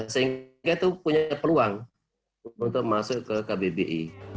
sehingga itu punya peluang untuk masuk ke kbbi